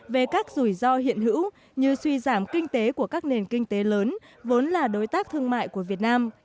về các rủi ro hiện hữu như suy giảm kinh tế của các nền kinh tế lớn vốn là đối tác thương mại của việt nam